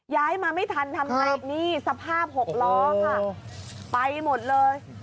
ย้ายมาไม่ทันทำไงนี่สภาพหกล้อค่ะไปหมดเลย